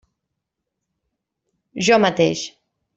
Jo mateix.